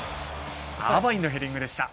アーバインのヘディングでした。